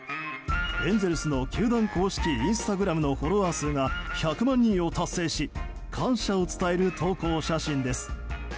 エンゼルスの球団公式インスタグラムのフォロワー数が１００万人を達成し感謝を伝える投稿写真です。